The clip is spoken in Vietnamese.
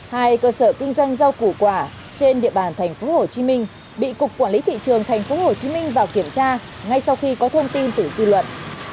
hai cơ sở kinh doanh rau củ quả trên địa bàn tp hcm bị cục quản lý thị trường tp hcm vào kiểm tra ngay sau khi có thông tin từ dư luận